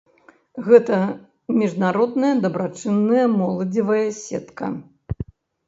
Гэта міжнародная дабрачынная моладзевая сетка.